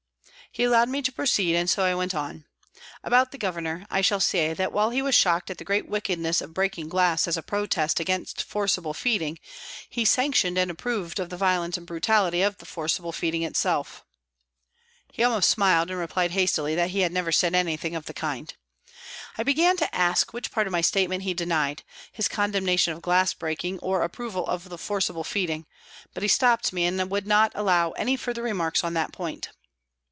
He allowed me to proceed, so I went on :" About the Governor, I shall say that while he was shocked at the great wickedness of breaking glass as a protest against forcible feeding, he sanctioned and approved of the violence and brutality of the forcible feeding WALTON GAOL, LIVERPOOL 287 itself." He almost smiled, and replied hastily that he had never said anything of the kind. I began to ask which part of my statement he denied his condemnation of glass breaking or approval of the forced feeding, but he stopped me and would not allow any further remarks on that point.